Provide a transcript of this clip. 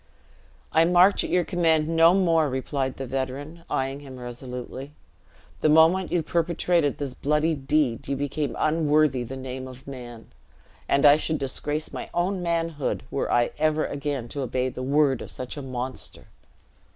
"I march at your command no more," replied the veteran, eying him resolutely: "the moment you perpetrated this bloody deed, you became unworthy the name of man; and I should disgrace my own manhood, were I ever again to obey the word of such a monster!"